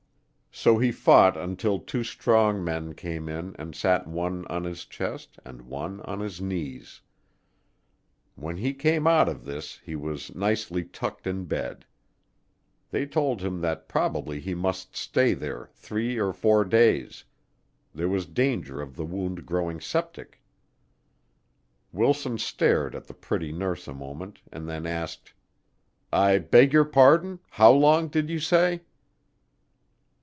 So he fought until two strong men came in and sat one on his chest and one on his knees. When he came out of this he was nicely tucked in bed. They told him that probably he must stay there three or four days there was danger of the wound growing septic. Wilson stared at the pretty nurse a moment and then asked, "I beg your pardon how long did you say?"